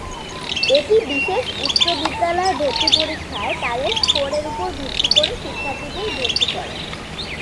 এটি বিশেষ উচ্চ বিদ্যালয় ভর্তি পরীক্ষায় তাদের স্কোরের উপর ভিত্তি করে শিক্ষার্থীদের ভর্তি করে।